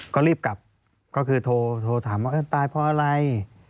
ก็รีบกลับก็คือโทรถามว่าตายเพราะอะไร